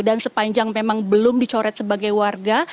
dan sepanjang memang belum dicoret sebagai warga